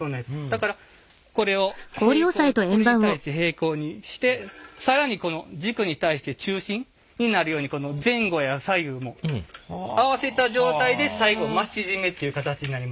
だからこれを平行これに対して平行にして更にこの軸に対して中心になるように前後や左右も合わせた状態で最後増し締めっていう形になります。